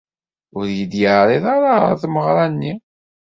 Ur iyi-d-yeɛriḍ ara ɣer tmeɣra-nni.